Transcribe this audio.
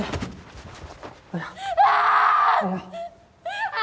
ああ！